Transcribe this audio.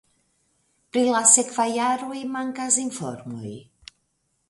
Pri la sekvaj jaroj mankas informoj.